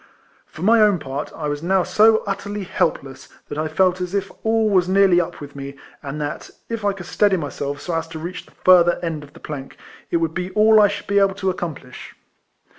For my own part, I was now so utterly helpless, that I felt as if all was nearly up with me, and that, if I could steady myself so as to reach the further end of the plank, it would be all I should be able to accomplish.